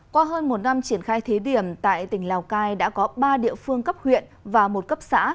qua hơn một năm triển khai thí điểm tại tỉnh lào cai đã có ba địa phương cấp huyện và một cấp xã